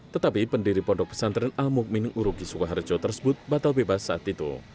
tetapi pendiri pondok pesantren al mu'min nguruki sukaharjo tersebut batal bebas saat itu